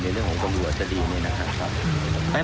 ในเรื่องของกระบวนจะดีนะครับ